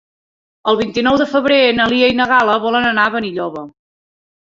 El vint-i-nou de febrer na Lia i na Gal·la volen anar a Benilloba.